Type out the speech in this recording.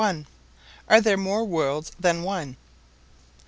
Are There More Worlds Than One?